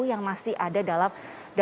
yang masih ada di hadapan media